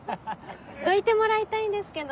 どいてもらいたいんですけど。